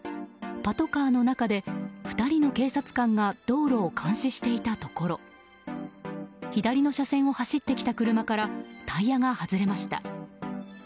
パトカーの中で２人の警察官が道路を監視していたところ左の車線を走ってきた車からタイヤが外れました。